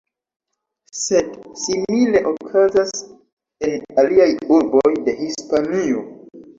Sed simile okazas en aliaj urboj de Hispanio.